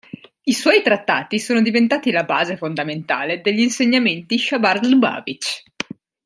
I suoi trattati sono diventati la base fondamentale degli insegnamenti Chabad-Lubavitch.